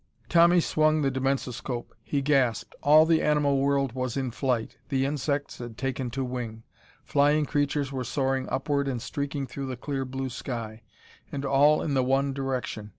Tommy swung the dimensoscope. He gasped. All the animal world was in flight. The insects had taken to wing. Flying creatures were soaring upward and streaking through the clear blue sky, and all in the one direction.